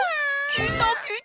きたきた！